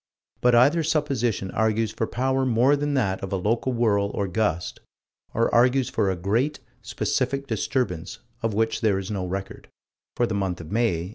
But either supposition argues for power more than that of a local whirl or gust, or argues for a great, specific disturbance, of which there is no record for the month of May, 1894.